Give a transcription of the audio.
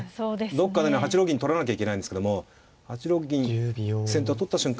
どっかでね８六銀取らなきゃいけないんですけども８六銀先手は取った瞬間